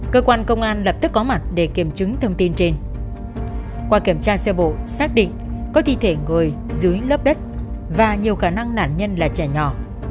cơ quan công an lập tức có mặt để kiểm chứng thông tin trên qua kiểm tra xe bộ xác định có thi thể người dưới lớp đất và nhiều khả năng nạn nhân là trẻ nhỏ